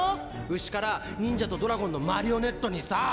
牛から忍者とドラゴンのマリオネットにさぁ！